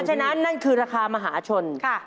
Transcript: ฉะนั้นนั่นคือราคามหาชนกันจ้ะค่ะ